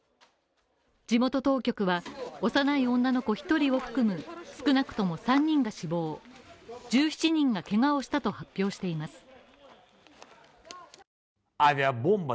地元当局は幼い女の子１人を含む少なくとも３人が死亡、１７人がけがをしたと発表しています。